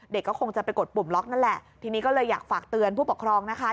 เด็กก็คงจะไปกดปุ่มล็อกนั่นแหละทีนี้ก็เลยอยากฝากเตือนผู้ปกครองนะคะ